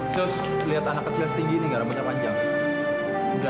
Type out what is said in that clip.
sus lihat anak kecil setinggi ini gak rempahnya panjang